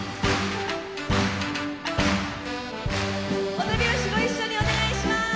お手拍子ご一緒にお願いします！